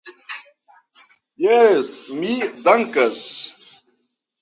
Jes, mi dankas.